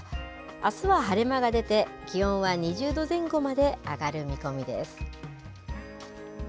あすは晴れ間が出て、気温は２０度前後まで上がる見込みです。